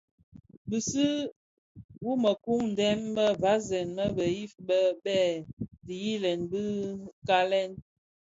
Bisu u mekuu deň më vasèn a bëfeeg bë kè dhiyilèn bè kalag lè,